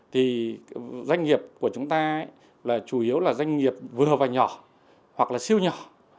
thì doanh nghiệp của chúng ta là chủ yếu là doanh nghiệp vừa và nhỏ hoặc là siêu nhỏ